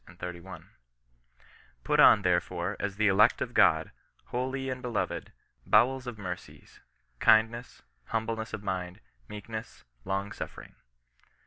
*^ Put on, therefore, as the elect of God, holy and be loved, bowels of mercies, kindness, humbleness of mind, meekness, long suffering."